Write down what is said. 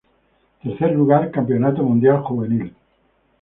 Tercer lugar Campeonato Mundial Juvenil.